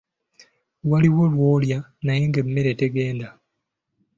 Waliwo lw’olya naye ng’emmere tegenda.